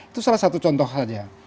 itu salah satu contoh saja